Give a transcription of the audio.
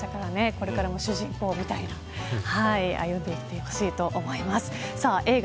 これからも主人公みたいに歩んでいってほしいと思います。